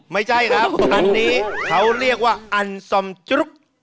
ไม่ใช่ครับอันนี้เขาเรียกว่าอันซอมจุ๊ก